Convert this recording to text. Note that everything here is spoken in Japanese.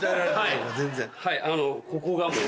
はいここがもう。